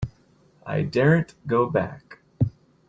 I daren't go back.